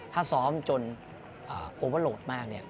ถ้าซ้อมจนโอเวอร์โหลดมาก